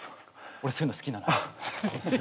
俺そういうの好きなの。